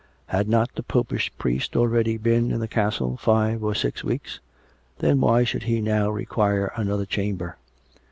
Had not the Popish priest already been in the castle five or six weeks.'' Then why should he now require another chamber?